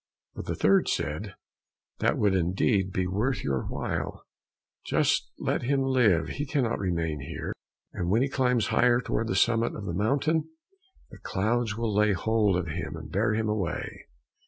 But the third said, "That would indeed be worth your while; just let him live, he cannot remain here; and when he climbs higher, toward the summit of of the mountain, the clouds will lay hold of him and bear him away."